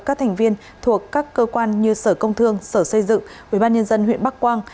các thành viên thuộc các cơ quan như sở công thương sở xây dựng ubnd huyện bắc quang